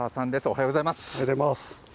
おはようございます。